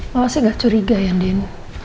mama sih gak curiga ya ndin